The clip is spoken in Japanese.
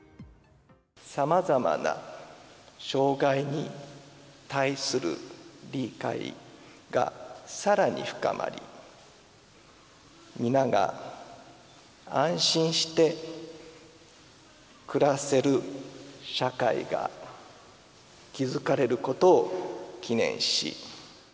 様々な障害に対する理解が更に深まり皆が安心して暮らせる社会が築かれることを祈念し。